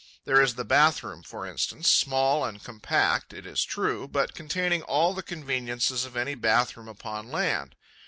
There is the bath room, for instance, small and compact, it is true, but containing all the conveniences of any bath room upon land.